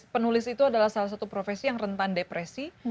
penulis itu adalah salah satu profesi yang rentan depresi